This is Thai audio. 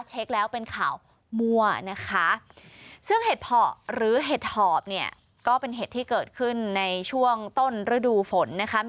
เช็คแล้วเป็นข่าวมั่วนะคะซึ่งเห็ดเพาะหรือเห็ดหอบเนี่ยก็เป็นเห็ดที่เกิดขึ้นในช่วงต้นฤดูฝนนะคะ